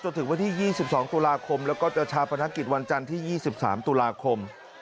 จนถึงวันที่๒๒ตุลาคมแล้วก็เจ้าชาวประนักกิจวันจันที่๒๓ตุลาคม